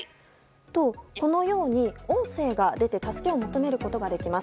と、このように音声が出て助けを求めることができます。